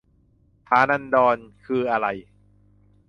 ฐานันดร คืออะไร